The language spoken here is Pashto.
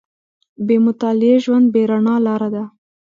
• بې مطالعې ژوند، بې رڼا لاره ده.